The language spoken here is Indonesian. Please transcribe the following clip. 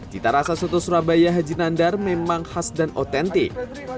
cita rasa soto surabaya haji nandar memang khas dan otentik